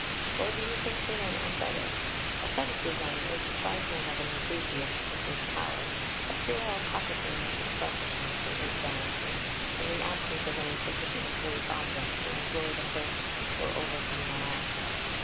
Or do you think me an Ascetic? Asceticism is the trifling of an enthusiast with his power, a puerile coquetting with his selfishness or his vanity, in the absence of any sufficiently great object to employ the first or overcome the last.